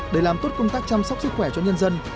để làm tốt công tác chăm sóc sức khỏe cho nhân dân